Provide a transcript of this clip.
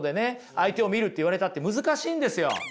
相手を見るって言われたって難しいんですよ。